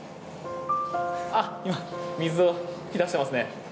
今、水を噴き出していますね。